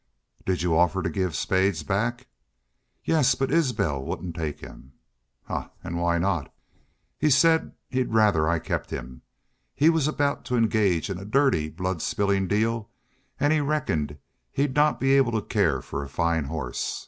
"Did y'u offer to give Spades back?" "Yes. But Isbel wouldn't take him." "Hah! ... An' why not?" "He said he'd rather I kept him. He was about to engage in a dirty, blood spilling deal, an' he reckoned he'd not be able to care for a fine horse....